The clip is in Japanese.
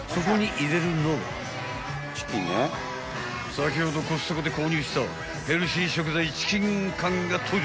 ［先ほどコストコで購入したヘルシー食材チキン缶が登場］